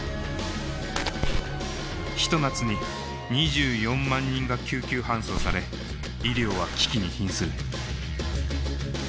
一夏に２４万人が救急搬送され医療は危機に瀕する。